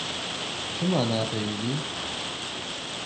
Çima napeyivî.